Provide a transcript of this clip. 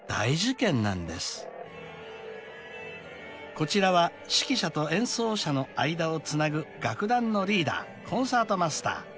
［こちらは指揮者と演奏者の間をつなぐ楽団のリーダーコンサートマスター］